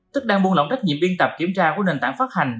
tức đang buôn lỏng trách nhiệm biên tập kiểm tra của nền tảng phát hành